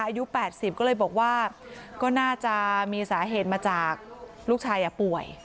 อายุ๘๐ก็เลยบอกว่าก็น่าจะมีสาเหตุมาจากลูกชายป่วย